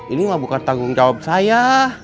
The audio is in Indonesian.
ini bukan tanggung jawab saya